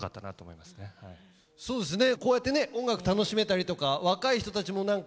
いやそうですね